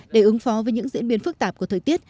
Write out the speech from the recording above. để ứng phó với những diễn biến phức tạp của thời tiết